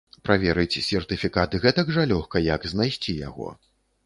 Праверыць сертыфікат гэтак жа лёгка, як знайсці яго?